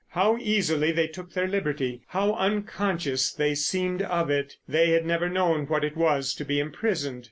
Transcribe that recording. How easily they took their liberty; how unconscious they seemed of it. They had never known what it was to be imprisoned.